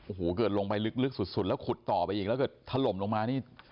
โอ้โหเกิดลงไปลึกสุดแล้วขุดต่อไปอีกแล้วก็ถล่มลงมานี่